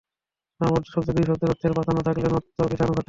সমাসবদ্ধ শব্দে দুই পদের অর্থের প্রাধান্য থাকলে ণত্ব বিধান খাটে না।